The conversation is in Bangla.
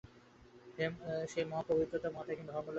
সেই মহাপবিত্রতা, মহাত্যাগই ধর্মলাভের একমাত্র নিগূঢ় উপায়।